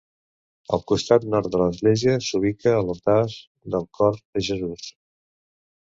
Al costat nord de l'Església s'ubica l'altar del Cor de Jesús.